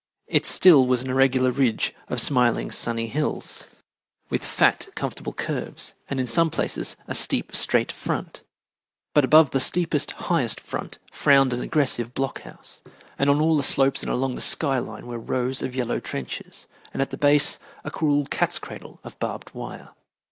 It still was an irregular ridge of smiling, sunny hills with fat, comfortable curves, and in some places a steep, straight front. But above the steepest, highest front frowned an aggressive block house, and on all the slopes and along the sky line were rows of yellow trenches, and at the base a cruel cat's cradle of barbed wire.